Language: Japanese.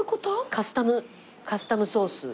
カスタムカスタムソース。